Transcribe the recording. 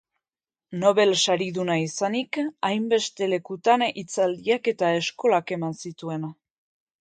Nobel Sariduna izanik hainbeste lekutan hitzaldiak eta eskolak eman zituen.